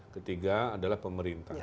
ketiga adalah pemerintah